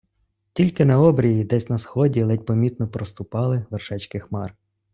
Тільки на обрії, десь на сході, ледь помітно проступали вершечки хмар.